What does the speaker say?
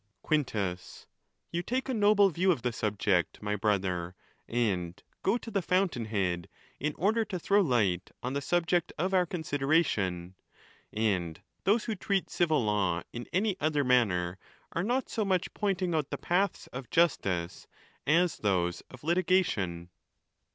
VI. Quintus.—You take a noble view of the subject, my brother, and go to the fountain head, in order to throw light: on the subject of our consideration ; and those who treat. civil law in any other manner, are not so much pointing out the paths of justice as those of litigation.